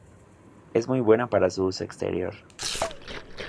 Es muy buena para uso exterior.